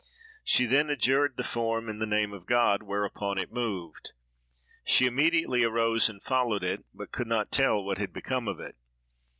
She then adjured the form in the name of God, whereupon it moved. She immediately arose and followed it, but could not tell what had become of it.